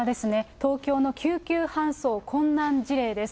東京の救急搬送困難事例です。